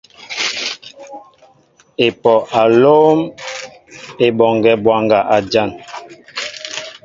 Epoh a lóm Eboŋgue bwaŋga a jan.